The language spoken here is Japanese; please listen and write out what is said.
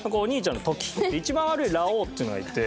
で一番悪いラオウっていうのがいて。